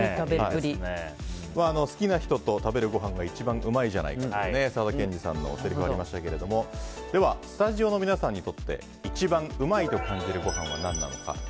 好きな人と食べるごはんが一番うまいじゃないかという沢田研二さんのせりふがありましたけどでは、スタジオの皆さんにとって一番うまいと感じるご飯は何なのか。